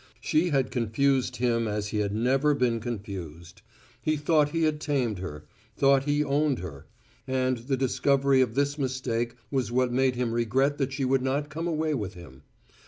She had confused him as he had never been confused. He thought he had tamed her; thought he owned her; and the discovery of this mistake was what made him regret that she would not come away with him.